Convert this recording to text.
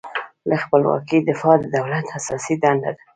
له خپلواکۍ دفاع د دولت اساسي دنده ده.